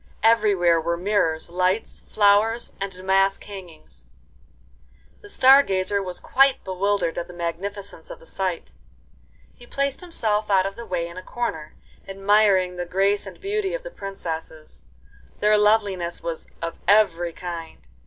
Everywhere were mirrors, lights, flowers, and damask hangings. The Star Gazer was quite bewildered at the magnificence of the sight. He placed himself out of the way in a corner, admiring the grace and beauty of the princesses. Their loveliness was of every kind.